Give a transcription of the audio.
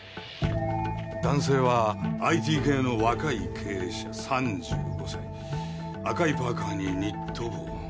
男性はＩＴ系の若い経営者３５歳赤いパーカにニット帽。